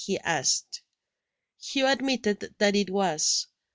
he asked. Hugh admitted that it was.